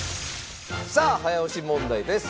さあ早押し問題です。